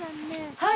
はい。